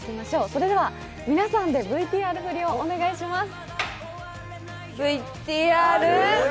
それでは皆さんでＶＴＲ振りをお願いします。